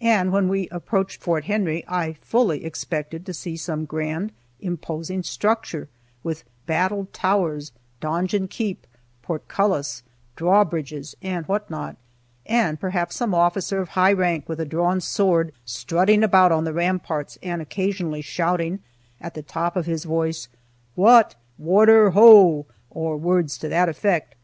And when we approached Fort Henry I fully expected to see some grand, imposing structure with "battled towers," "donjon keep," "portcullis," "drawbridges," and what not, and perhaps some officer of high rank with a drawn sword, strutting about on the ramparts and occasionally shouting, at the top of his voice, "What, warder, ho!" or words to that effect.